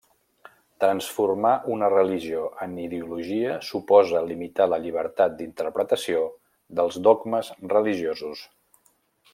Transformar una religió en ideologia suposa limitar la llibertat d'interpretació dels dogmes religiosos.